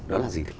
đó là gì